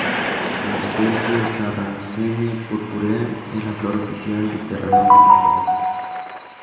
La especie "Sarracenia purpurea" es la flor oficial de Terranova y Labrador.